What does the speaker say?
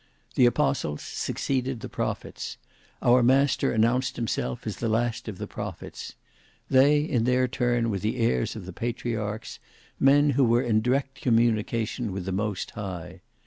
The apostles succeeded the prophets. Our Master announced himself as the last of the prophets. They in their turn were the heirs of the patriarchs: men who were in direct communication with the Most High.